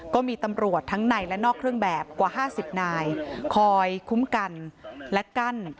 ก็มีตำรวจทั้งในและนอกเครื่องแบบกว่า๕๐นายคอยคุ้มกันและกั้น